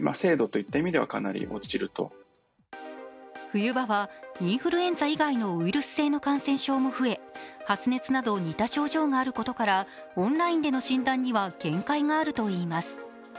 冬場はインフルエンザ以外のウイルス性の感染症も増え発熱など、似た症状があることからオンラインの診断には限界があるといいます。